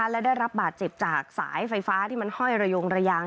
และได้รับบาดเจ็บจากสายไฟฟ้าที่มันห้อยระยงระยาง